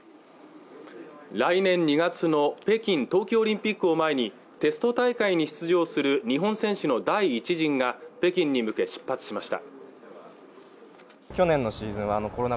来年２月の北京冬季オリンピックを前にテスト大会に出場する日本選手の第１陣が北京に向け出発しました